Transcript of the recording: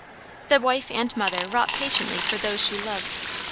The wife and mother wrought patiently for those she loved.